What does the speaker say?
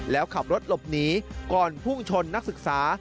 แล้วขับรถหลบหนีก่อนพุ่งชนนักศึกษา